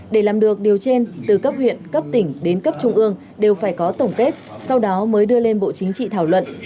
để làm được điều trên từ cấp huyện cấp tỉnh đến cấp trung ương đều phải có tổng kết sau đó mới đưa lên bộ chính trị thảo luận